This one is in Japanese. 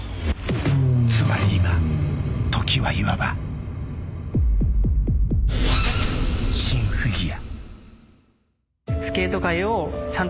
つまり今、時はいわばシン・フィギュア。